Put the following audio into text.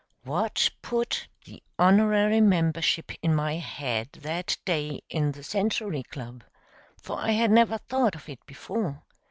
What put the honorary membership in my head that day in the Century Club? for I had never thought of it before.